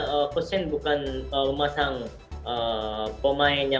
dan saya juga bisa memperbaiki kemahiran saya